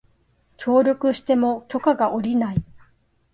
協力しても許可が降りない